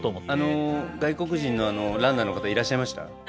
あの外国人のあのランナーの方いらっしゃいました？